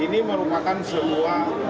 ini merupakan semua